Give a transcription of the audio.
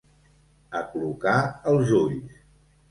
Aclucar els ulls.